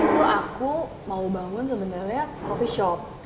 itu aku mau bangun sebenarnya coffee shop